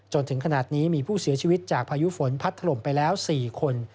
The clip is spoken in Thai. จนถึงขนาดนี้มีผู้เสียชีวิตจากพายุฝนพัดถล่มไปแล้ว๔คน